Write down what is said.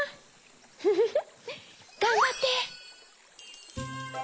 フフフがんばって！